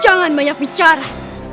jangan banyak bicara